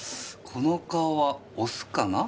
この顔はオスかな？